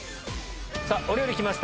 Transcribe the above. お料理来ました